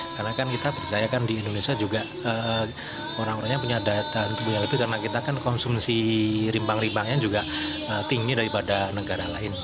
karena kan kita percaya kan di indonesia juga orang orangnya punya daya tahan tubuh yang lebih karena kita kan konsumsi rimbang rimbangnya juga tinggi daripada negara lain